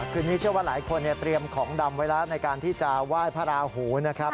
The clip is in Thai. คืนนี้เชื่อว่าหลายคนเตรียมของดำไว้แล้วในการที่จะไหว้พระราหูนะครับ